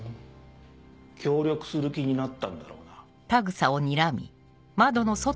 協力する気になったんだろうな？